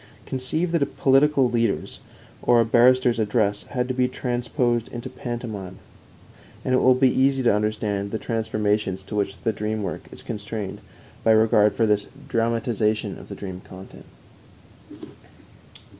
Conceive that a political leader's or a barrister's address had to be transposed into pantomime, and it will be easy to understand the transformations to which the dream work is constrained by regard for this dramatization of the dream content.